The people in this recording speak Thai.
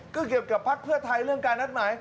ก็เกี่ยวกับภักดิ์เพื่อไทยเรื่องการนัดหมาย